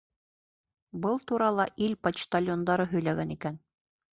Был турала ил почтальондары һөйләгән икән.